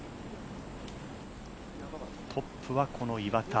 トップはこの岩田。